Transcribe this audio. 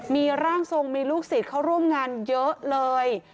มีร่างทรงมีลูกศิษย์เข้าร่วมงานเยอะเลย